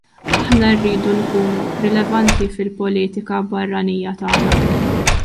Aħna rridu nkunu rilevanti fil-politika barranija tagħna.